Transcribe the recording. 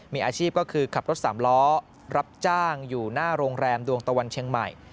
มีอาชีพก็คือขับรถสามล้อรับจ้างอยู่หน้าโรงแรมดวงตะวันเชียงใหม่